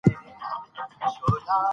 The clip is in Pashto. د هرې ستونزې حل په صبر او استقامت کې دی.